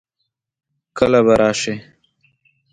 کله به راسې؟